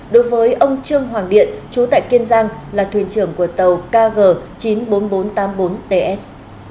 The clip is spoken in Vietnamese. đối với ông trương hoàng điện chú tại kiên giang là thuyền trưởng của tàu kg chín mươi bốn nghìn bốn trăm tám mươi bốn ts